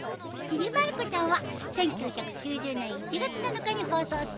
『ちびまる子ちゃん』は１９９０年１月７日に放送スタート。